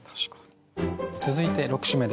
続いて６首目です。